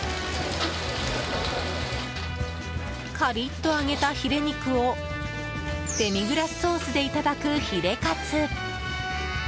カリッと揚げたヒレ肉をデミグラスソースでいただくヒレカツ。